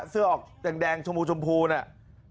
เสื้อออกแดงชมพูชมพูเนี่ย